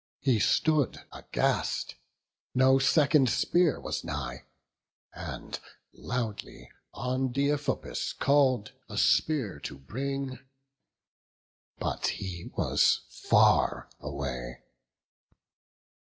He stood aghast; no second spear was nigh: And loudly on Deiphobus he call'd A spear to bring; but he was far away.